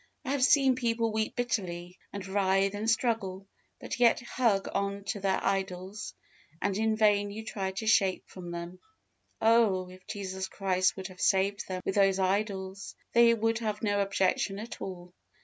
I have seen people weep bitterly, and writhe and struggle, but yet hug on to their idols, and in vain you try to shake them from them. Oh! if Jesus Christ would have saved them with those idols, they would have no objection at all.